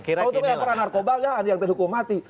kalau untuk yang pernah narkoba yang terhukum mati